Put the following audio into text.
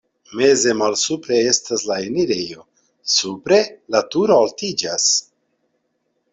Meze malsupre estas la enirejo, supre la turo altiĝas.